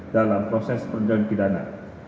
dalam proses perjalanan pidana